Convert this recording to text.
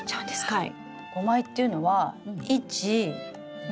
はい。